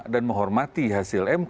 dan menghormati hasil